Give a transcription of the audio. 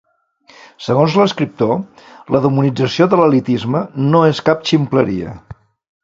Segons l'escriptor, la demonització de l'elitisme no és cap ximpleria.